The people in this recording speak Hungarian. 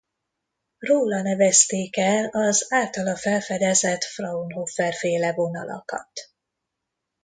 Róla nevezték el az általa felfedezett Fraunhofer-féle vonalakat.